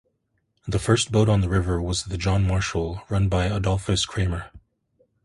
The first boat on the river was the "John Marshall", run by Adolphus Kraemer.